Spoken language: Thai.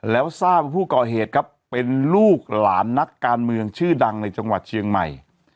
แล้วทราบว่าผู้ก่อเหตุครับเป็นลูกหลานนักการเมืองชื่อดังในจังหวัดเชียงใหม่